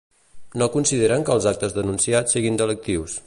No consideren que els actes denunciats siguin delictius.